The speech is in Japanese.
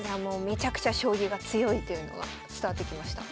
めちゃくちゃ将棋が強いというのが伝わってきました。